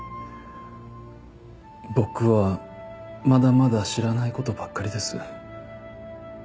僕はまだまだ知らない事ばっかりです。